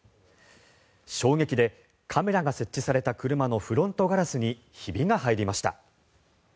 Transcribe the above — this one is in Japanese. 衝撃でカメラが設置された車のフロントガラスにひびが入りました。